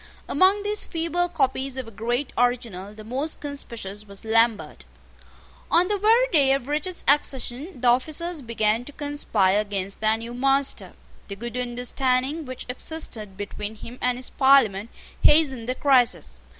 Among these feeble copies of a great original the most conspicuous was Lambert. On the very day of Richard's accession the officers began to conspire against their new master. The good understanding which existed between him and his Parliament hastened the crisis.